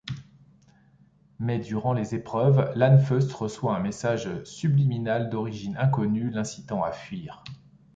Mais durant les épreuves, Lanfeust reçoit un message subliminal d'origine inconnue l'incitant à fuir.